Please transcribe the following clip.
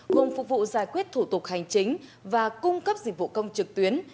gồm phục vụ giải quyết thủ tục hành chính và cung cấp dịch vụ công trực tuyến